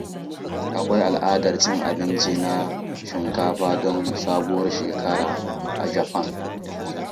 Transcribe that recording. Akwai al'adar cin abinci na shinkafa don Sabuwar Shekara a Japan.